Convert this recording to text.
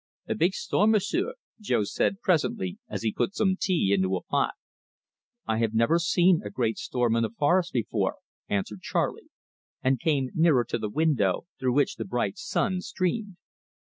"A big storm, M'sieu'," Jo said presently as he put some tea into a pot. "I have never seen a great storm in a forest before," answered Charley, and came nearer to the window through which the bright sun streamed.